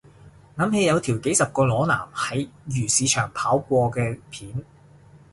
諗起有條幾十個裸男喺漁市場跑過嘅片